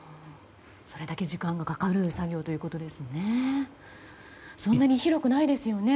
それだけ時間がかかる作業ということですね。